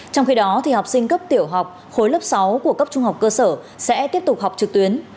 trong khi đó học sinh cấp tiểu học khối lớp sáu của cấp trung học cơ sở sẽ tiếp tục học trực tuyến